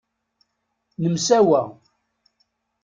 Nemsawa.